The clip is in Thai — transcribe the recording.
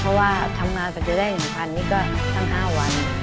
เพราะว่าทำงานแบบเดียวแรงของพันธุ์นี้ก็ตั้ง๕วัน